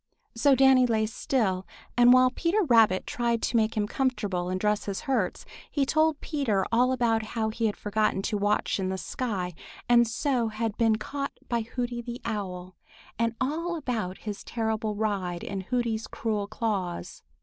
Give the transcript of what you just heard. So Danny lay still, and while Peter Rabbit tried to make him comfortable and dress his hurts, he told Peter all about how he had forgotten to watch up in the sky and so had been caught by Hooty the Owl, and all about his terrible ride in Hooty's cruel claws.